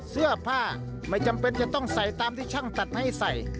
เสื้อผ้าไม่จำเป็นจะต้องใส่ตามที่ช่างตัดให้ใส่